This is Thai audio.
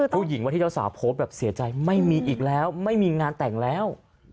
ผู้หญิงวันที่เจ้าสาวโพสต์แบบเสียใจไม่มีอีกแล้วไม่มีงานแต่งแล้ว